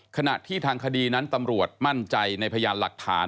ขณะที่ทางคดีนั้นตำรวจมั่นใจในพยานหลักฐาน